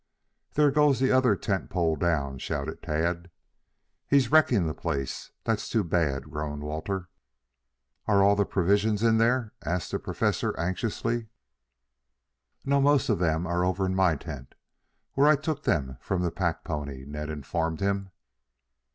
"There goes the other tent pole down!" shouted Tad. "He's wrecking the place. That's too bad," groaned Walter. "Are the provisions all in there?" asked the Professor anxiously. "No, most of them are over in my tent, where I took them from the pack pony," Ned informed him.